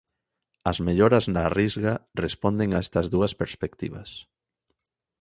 As melloras na Risga responden a estas dúas perspectivas.